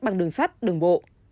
bằng đường sắt đường bộ